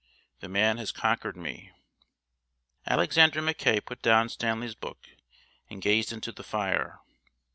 The man has conquered me." Alexander Mackay put down Stanley's book and gazed into the fire.